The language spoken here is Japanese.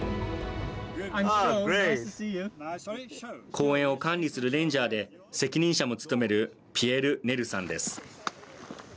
公園を管理するレンジャーで責任者も務めるピエール・ネルさんです。